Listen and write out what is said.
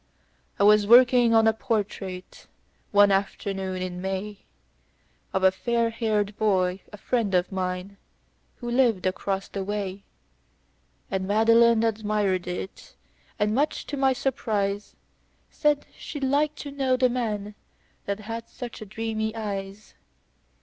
"I was working on a portrait, one afternoon in May, Of a fair haired boy, a friend of mine, who lived across the way. And Madeline admired it, and much to my surprise, Said she'd like to know the man that had such dreamy eyes.